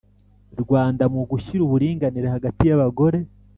Rwanda mu gushyira uburinganire hagati y abagore